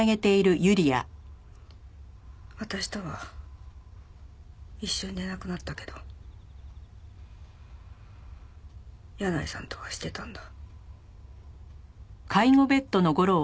私とは一緒に寝なくなったけど箭内さんとはしてたんだ。